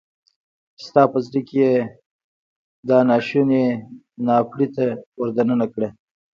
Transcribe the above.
چې ستا په زړه کې يې دا ناشونی ناپړیته ور دننه کړه.